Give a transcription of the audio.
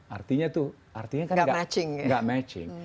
artinya tuh artinya kan gak matching